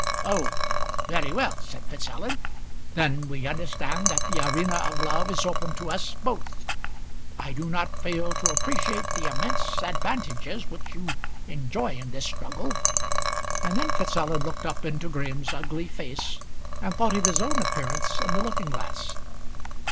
"Oh, very well," said Fitzallen. "Then we understand that the arena of love is open to us both. I do not fail to appreciate the immense advantages which you enjoy in this struggle." And then Fitzallen looked up into Graham's ugly face, and thought of his own appearance in the looking glass.